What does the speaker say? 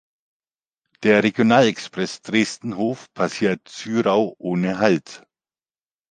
Der Regionalexpress Dresden–Hof passiert Syrau ohne Halt.